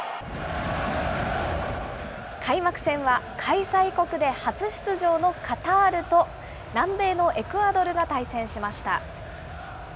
開幕戦は開催国で初出場のカタールと、南米のエクアドルが対戦しました。